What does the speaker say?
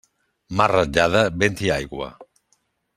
Mar ratllada, vent i aigua.